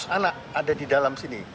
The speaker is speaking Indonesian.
lima ratus anak ada di dalam sini